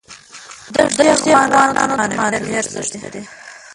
دښتې افغانانو ته معنوي ارزښت لري.